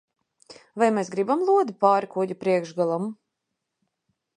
Vai mēs gribam lodi pāri kuģa priekšgalam?